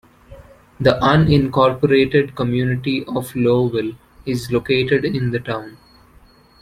The unincorporated community of Lowville is located in the town.